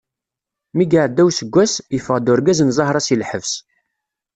Mi iɛedda useggas, yeffeɣ-d urgaz n zahra seg lḥebs.